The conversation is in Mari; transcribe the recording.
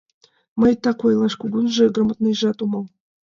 Мый, так ойлаш, кугунжо грамотныйжат омыл.